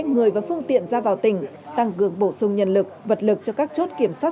người và phương tiện ra vào tỉnh tăng cường bổ sung nhân lực vật lực cho các chốt kiểm soát